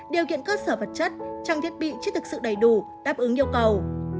điều kiện cơ sở vật chất trang thiết bị chưa thực sự đầy đủ đáp ứng yêu cầu